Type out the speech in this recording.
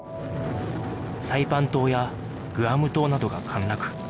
サイパン島やグアム島などが陥落